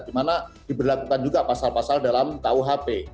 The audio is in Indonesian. dimana diberlakukan juga pasal pasal dalam kuhp